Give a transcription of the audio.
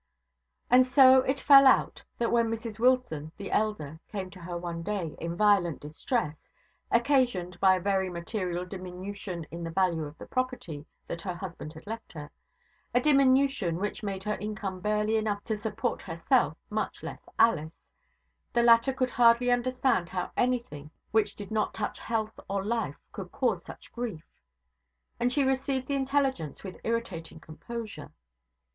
And so it fell out, that when Mrs Wilson, the elder, came to her one day, in violent distress, occasioned by a very material diminution in the value of the property that her husband had left her a diminution which made her income barely enough to support herself, much less Alice the latter could hardly understand how anything which did not touch health or life could cause such grief; and she received the intelligence with irritating composure.